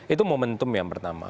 itu momentum yang pertama